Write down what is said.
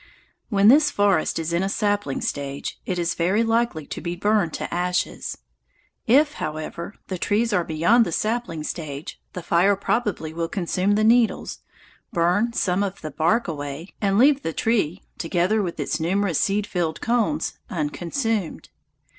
When this forest is in a sapling stage, it is very likely to be burned to ashes. If, however, the trees are beyond the sapling stage, the fire probably will consume the needles, burn some of the bark away, and leave the tree, together with its numerous seed filled cones, unconsumed.